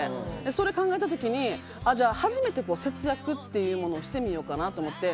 それ考えた時に初めて節約っていうものをしてみようかなと思って。